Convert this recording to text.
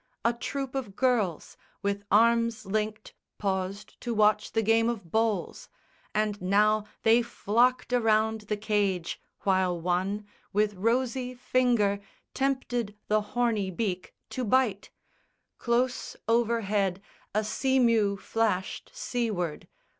A troop of girls With arms linked paused to watch the game of bowls; And now they flocked around the cage, while one With rosy finger tempted the horny beak To bite. Close overhead a sea mew flashed Seaward.